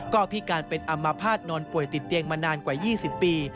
ก็พิการเป็นอัมพาตนอนป่วยติดเตียงมานานกว่า๒๐ปี